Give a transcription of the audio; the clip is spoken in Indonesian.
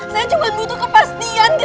saya cuma butuh kepastian